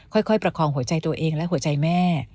ประคองหัวใจตัวเองและหัวใจแม่